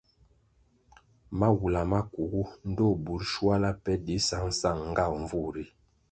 Mawula makugu, ndtoh burʼ shuala pe di sangsang nga nvur ri,